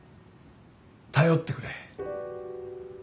頼ってくれ。